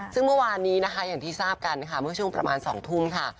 ซึ่งเมื่อวานนี้นะคะอย่างที่ทราบกันค่ะเมื่อช่วงประมาณ๒ทุ่มค่ะ